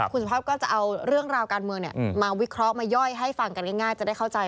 คุณสุภาพก็จะเอาเรื่องราวการเมืองมาวิเคราะห์มาย่อยให้ฟังกันง่ายจะได้เข้าใจ